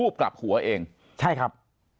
เสียชีวิต